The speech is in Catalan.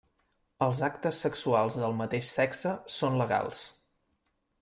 Els actes sexuals del mateix sexe són legals.